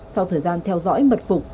sau thời gian theo dõi mật phục